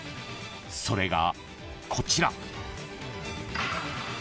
［それがこちら］